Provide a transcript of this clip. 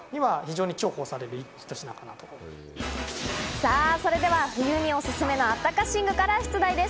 さあ、それでは冬におすすめのあったか寝具から出題です。